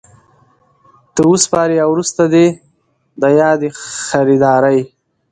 ته وسپاري او وروسته دي د یادي خریدارۍ